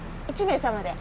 １名様で？